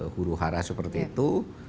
huru hara seperti itu